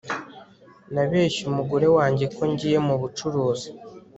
nabeshye umugore wanjye ko ngiye mu bucuruzi